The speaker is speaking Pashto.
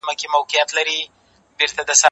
زه ږغ نه اورم!.